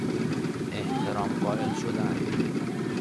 احترام قائل شدن